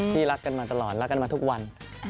รักกันมาตลอดรักกันมาทุกวัน